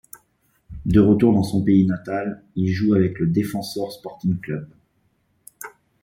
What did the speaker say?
De retour dans son pays natal, il joue avec le Defensor Sporting Club.